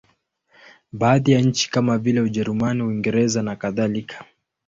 Baadhi ya nchi kama vile Ujerumani, Uingereza nakadhalika.